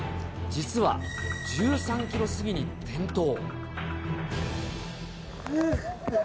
実は１３キロ過ぎに転倒。